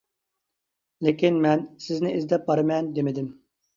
لېكىن مەن «سىزنى ئىزدەپ بارىمەن» دېمىدىم.